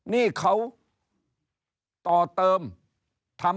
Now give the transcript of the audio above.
นี่เขาต่อเติม